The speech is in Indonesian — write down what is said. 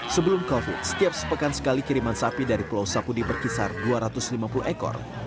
sebelum covid setiap sepekan sekali kiriman sapi dari pulau sapudi berkisar dua ratus lima puluh ekor